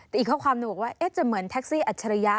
แต่อีกข้อความหนึ่งบอกว่าจะเหมือนแท็กซี่อัจฉริยะ